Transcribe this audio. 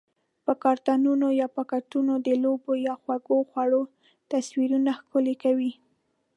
په کارتنونو یا پاکټونو د لوبو یا خوږو خوړو تصویرونه ښکلي کوي؟